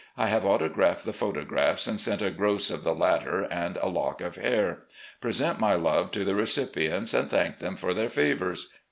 I have autographed the photographs and send a gross of the latter and a lock of hair. Present my love to the recipients and thank them for their favours.